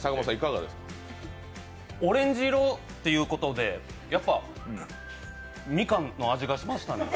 オレンジ色っていうことでやっぱ、みかんの味がしましたね。